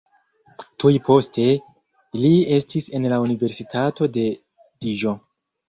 Tuj poste li estis en la Universitato de Dijon.